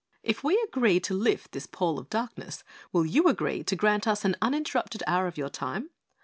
"If we agree to lift this pall of darkness, will you agree to grant us an uninterrupted hour of your time?"